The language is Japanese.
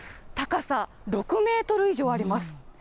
高さ６メートル以上あります。